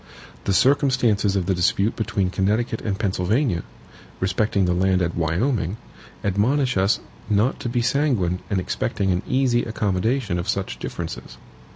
The circumstances of the dispute between Connecticut and Pennsylvania, respecting the land at Wyoming, admonish us not to be sanguine in expecting an easy accommodation of such differences.